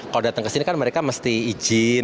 kalau datang kesini kan mereka mesti izin